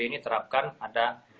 ini terapkan ada